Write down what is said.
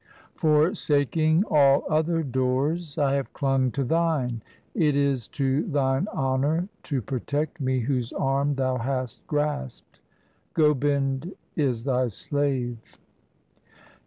Forsaking all other doors I have clung to Thine. It is to Thine honour to protect me whose arm Thou hast grasped ; Gobind is Thy slave.